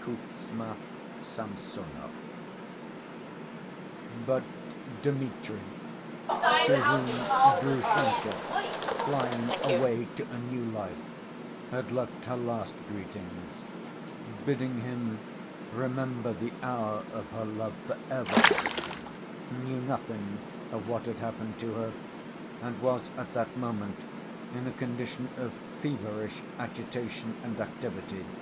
Kuzma Samsonov But Dmitri, to whom Grushenka, flying away to a new life, had left her last greetings, bidding him remember the hour of her love for ever, knew nothing of what had happened to her, and was at that moment in a condition of feverish agitation and activity.